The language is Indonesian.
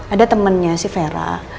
ada temennya si vera